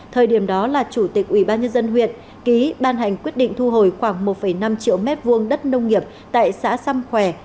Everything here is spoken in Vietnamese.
thời điểm đó là chủ tịch ubnd huyện ký ban hành quyết định thu hồi khoảng một năm triệu m hai đất nông nghiệp tại xã xăm khỏe